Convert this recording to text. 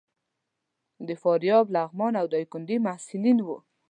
د فاریاب، لغمان او ډایکنډي محصلین وو.